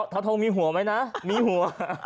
ท้อท้องมีหัวไหมนะมีหัว